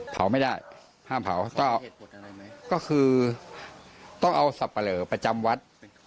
เผาไม่ได้ห้ามเผาก็คือต้องเอาสับปะเหลอประจำวัด